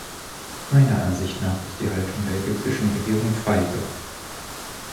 Meiner Ansicht nach ist die Haltung der ägyptischen Regierung feige.